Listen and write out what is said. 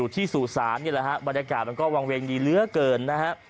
ที่สู่ศาลนี่แหละฮะบรรยากาศมันก็วางเวงดีเหลือเกินนะฮะ